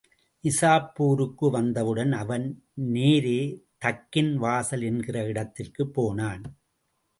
நிஜாப்பூருக்கு வந்தவுடன் அவன், நேரே தக்கின் வாசல் என்கிற இடத்திற்குப் போனான்.